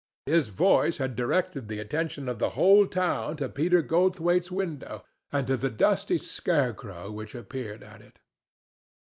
His voice had directed the attention of the whole town to Peter Goldthwaite's window, and to the dusty scarecrow which appeared at it.